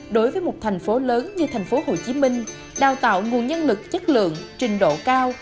đối với một thành phố lớn như thành phố hồ chí minh đào tạo nguồn nhân lực chất lượng trình độ cao